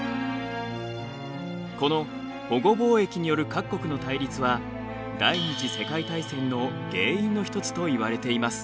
この保護貿易による各国の対立はの原因の一つといわれています。